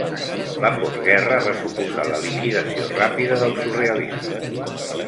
La postguerra va suposar la liquidació ràpida del surrealisme.